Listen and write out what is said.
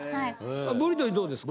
ブリトニーどうですか？